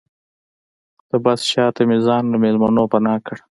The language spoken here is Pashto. د بس شاته مې ځان له مېلمنو پناه کړ.